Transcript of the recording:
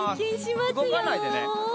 うごかないでね。